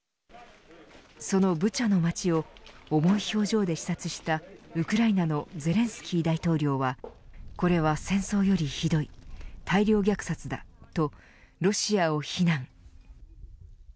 そのブチャの町を重い表情で視察したウクライナのゼレンスキー大統領はこれは戦争よりひどい大量虐殺だ、とロシアを非難。